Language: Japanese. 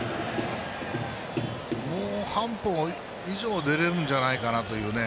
もう半歩以上出れるんじゃないかというね。